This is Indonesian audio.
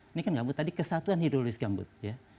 ini kan gambut tadi kesatuan hidrolis gambut ya